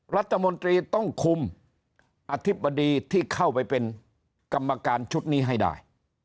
รัฐมนตรีต้องคุมอธิบดีที่เข้าไปเป็นกรรมการชุดนี้ให้ได้